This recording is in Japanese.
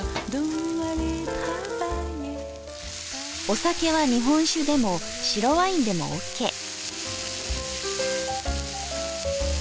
お酒は日本酒でも白ワインでもオッケー。